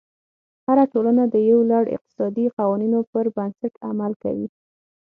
هره ټولنه د یو لړ اقتصادي قوانینو پر بنسټ عمل کوي.